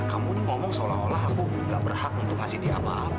kamu ini ngomong seolah olah aku gak berhak untuk ngasih dia apa